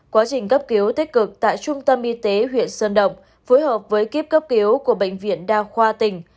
quá trình cấp cứu tích cực tại trung tâm y tế huyện sơn động phối hợp với kíp cấp cứu của bệnh viện đa khoa tỉnh